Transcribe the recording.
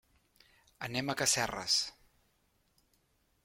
Anem a Casserres.